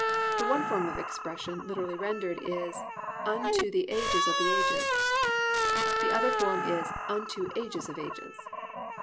The one form of expression literally rendered is "unto the ages of the ages," the other form is "unto ages of ages."